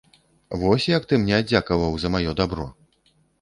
Вось, як ты мне аддзякаваў за маё дабро!